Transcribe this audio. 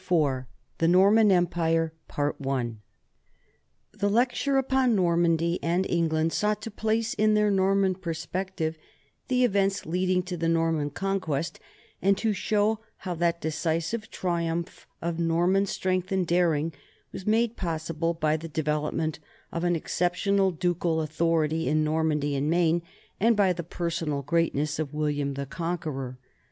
45~74 IV THE NORMAN EMPIRE THE lecture upon Normandy and England sought to place in their Norman perspective the events leading to the Norman Conquest and to show how that decisive triumph of Norman strength and daring was made possible by the development of an exceptional ducal authority in Normandy and Maine and by the personal greatness of William the Conqueror.